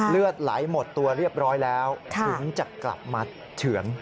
เลือดไหลหมดตัวเรียบร้อยแล้วถึงจะกลับมาเฉือน